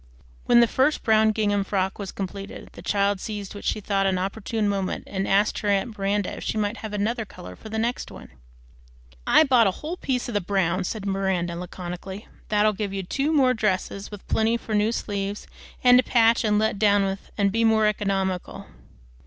When the first brown gingham frock was completed, the child seized what she thought an opportune moment and asked her aunt Miranda if she might have another color for the next one. "I bought a whole piece of the brown," said Miranda laconically. "That'll give you two more dresses, with plenty for new sleeves, and to patch and let down with, an' be more economical."